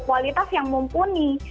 kualitas yang mumpuni